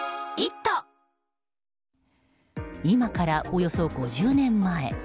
今からおよそ５０年前。